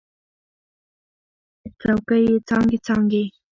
څوکې یې څانګې، څانګې